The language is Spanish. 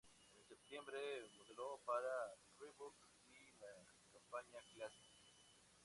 En septiembre modeló para Reebok y la campaña Classic.